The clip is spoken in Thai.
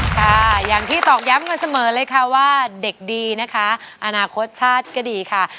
ค่ะอย่างที่ตอกย้ำกันเสมอเลยค่ะว่าเด็กดีนะคะอนาคตชาติก็ดีค่ะ